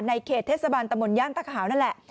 ในเขตเทศบันตมนต์ย่างตะขาวนั่นแหละ